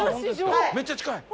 めっちゃ近い？